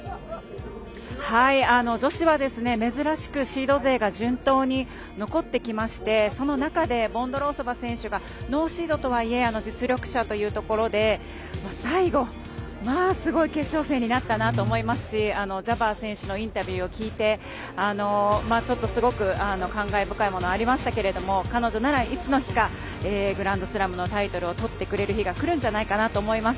女子は、珍しくシード勢が順当に残ってきましてその中でボンドロウソバ選手がノーシードとはいえ実力者というところで最後、すごい決勝戦になったなと思いますしジャバー選手のインタビューを聞いてちょっと、すごく感慨深いものがありましたが彼女なら、いつの日かグランドスラムのタイトルをとってくれる日がくるんじゃないかなと思います。